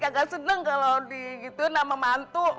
kagak seneng kalau di gituin sama mantu